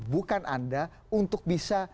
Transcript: bukan anda untuk bisa